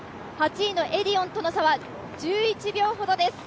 ８位のエディオンとの差は１１秒ほどです。